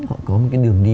họ có một cái đường đi